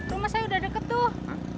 rumah saya udah deket tuh